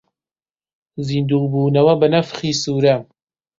زیندوو بوونەوە بە نەفخی سوورە